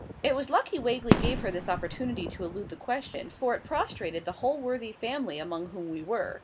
It was lucky Wagley gave her this opportunity to elude the question, for it prostrated the whole worthy family among whom we were.